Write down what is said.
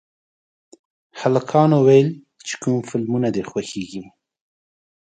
هلکانو ویل چې کوم فلمونه دي خوښېږي